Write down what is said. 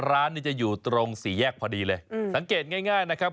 ร้านนี้จะอยู่ตรงสี่แยกพอดีเลยสังเกตง่ายนะครับ